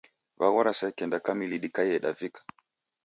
Waghora saa ikenda kamili dikaie davika